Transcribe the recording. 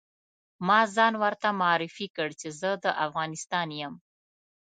ما ځان ورته معرفي کړ چې زه د افغانستان یم.